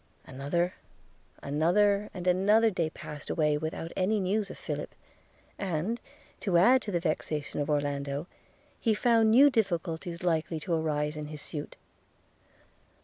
Another, another, and another day passed away without any news of Philip; and, to add to the vexation of Orlando, he found new difficulties likely to arise in his suit.